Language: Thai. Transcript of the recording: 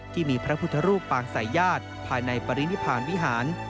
ที่มีพระพุทธรูปปางสายญาติภายในปรินิพานวิหาร